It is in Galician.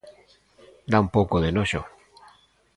Dá un pouco de noxo.